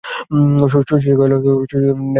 শচীশ কহিল, ন্যায়ের তর্ক রাখো।